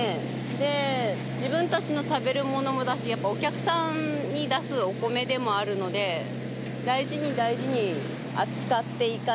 で自分たちの食べるものもだしやっぱりお客さんに出すお米でもあるので大事に大事に扱っていかないと。